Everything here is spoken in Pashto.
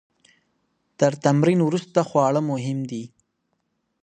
تر تمرین وروسته خواړه مهم دي.